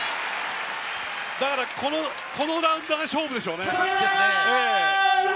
だからこのラウンドが勝負でしょうね。